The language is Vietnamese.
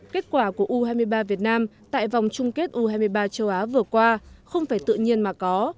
kết quả của u hai mươi ba việt nam tại vòng chung kết u hai mươi ba châu á vừa qua không phải tự nhiên mà có